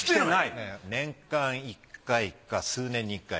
年間１回か数年に１回。